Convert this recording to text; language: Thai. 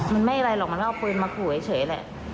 มันไม่อะไรหรอกมันก็เอาปืนมาขู่เฉยแหละ